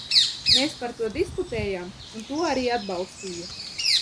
Mēs par to diskutējām, un to arī atbalstīja.